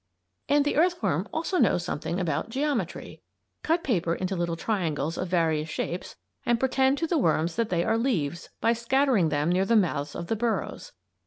And the earthworm also knows something about Geometry. Cut paper into little triangles of various shapes and pretend to the worms that they are leaves by scattering them near the mouths of the burrows.